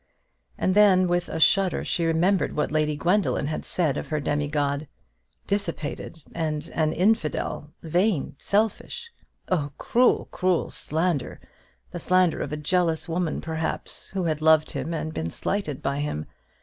And then, with a shudder, she remembered what Lady Gwendoline had said of her demi god. Dissipated and an infidel; vain, selfish! Oh, cruel, cruel slander, the slander of a jealous woman, perhaps, who had loved him and been slighted by him.